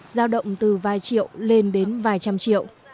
giao động từ vài triệu lên đến vài trăm triệu